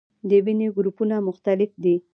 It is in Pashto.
د وینې ګروپونه مختلف دي